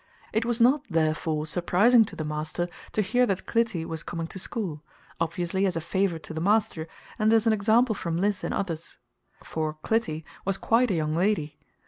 It was not, therefore, surprising to the master to hear that Clytie was coming to school, obviously as a favor to the master and as an example for Mliss and others. For "Clytie" was quite a young lady.